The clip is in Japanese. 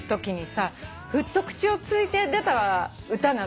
ふと口をついて出た歌がさ